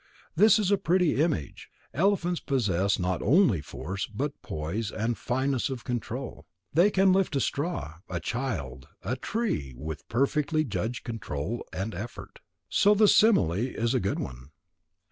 This is a pretty image. Elephants possess not only force, but poise and fineness of control. They can lift a straw, a child, a tree with perfectly judged control and effort. So the simile is a good one.